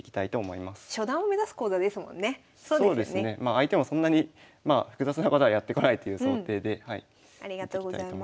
相手もそんなにまあ複雑なことはやってこないという想定で見ていきたいと思います。